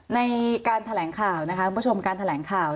ในการแถลงข่าว